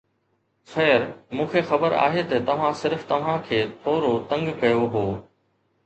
خير، مون کي خبر آهي ته توهان صرف توهان کي ٿورو تنگ ڪيو هو